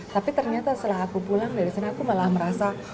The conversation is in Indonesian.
tapi ternyata setelah aku pulang dari sini aku malah merasa